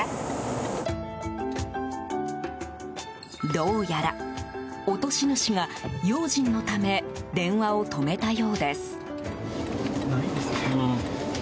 どうやら落とし主が用心のため電話を止めたようです。